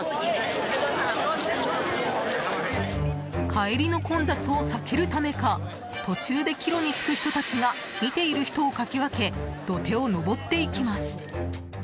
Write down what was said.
帰りの混雑を避けるためか途中で帰路につく人たちが見ている人をかき分け土手を上っていきます。